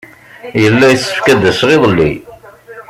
Yella yessefk ad d-aseɣ iḍelli.